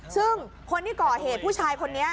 ซึ่งคนที่ก่อเหตุผู้ชายคนนี้